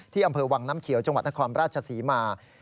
ที่อำเภอวังน้ำเขียวจังหวัดนักความประราชาศีมา